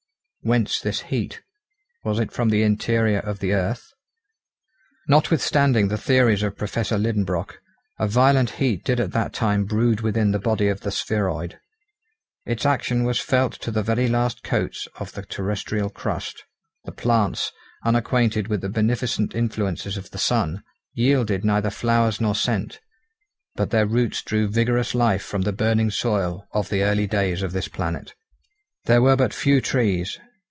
Whence this heat? Was it from the interior of the earth? Notwithstanding the theories of Professor Liedenbrock, a violent heat did at that time brood within the body of the spheroid. Its action was felt to the very last coats of the terrestrial crust; the plants, unacquainted with the beneficent influences of the sun, yielded neither flowers nor scent. But their roots drew vigorous life from the burning soil of the early days of this planet. There were but few trees.